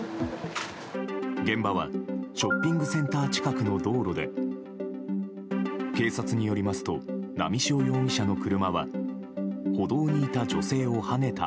現場はショッピングセンター近くの道路で警察によりますと波汐容疑者の車は歩道にいた女性をはねた